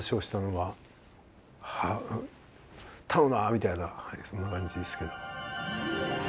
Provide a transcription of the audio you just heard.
みたいなそんな感じですけど。